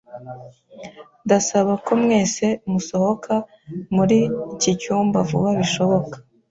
Ndasaba ko mwese musohoka muri iki cyumba vuba bishoboka.